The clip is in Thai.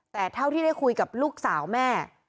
แต่เท่าที่ได้คุยกับลูกสาวแม่